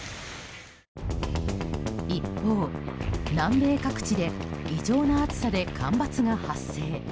一方、南米各地で異常な暑さで干ばつが発生。